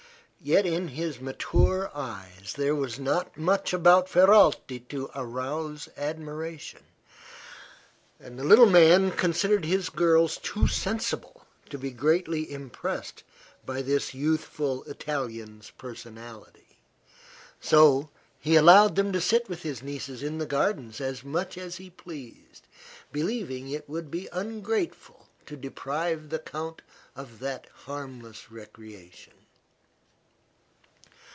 Yet in his mature eyes there was not much about Ferralti to arouse admiration, and the little man considered his girls too sensible to be greatly impressed by this youthful Italian's personality. So he allowed him to sit with his nieces in the gardens as much as he pleased, believing it would be ungrateful to deprive the count of that harmless recreation.